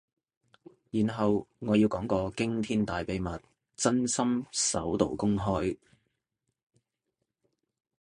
然後我要講個驚天大秘密，真心首度公開